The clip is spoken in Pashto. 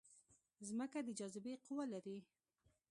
ځمکه د جاذبې قوه لري